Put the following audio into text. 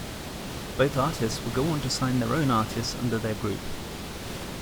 Both artists would go on to sign their own artists under their group.